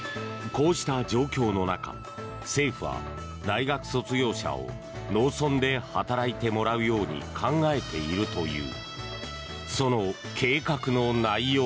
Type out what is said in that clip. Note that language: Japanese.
こうした状況の中政府は、大学卒業者を農村で働いてもらうように考えているという。